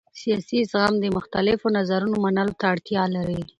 سیاسي زغم د مختلفو نظرونو منلو ته اړتیا لري